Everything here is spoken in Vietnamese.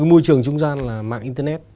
trong một môi trường trung gian là mạng internet